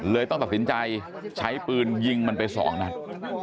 ต้องตัดสินใจใช้ปืนยิงมันไปสองนัด